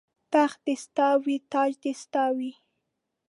تخت دې ستا وي تاج دې ستا وي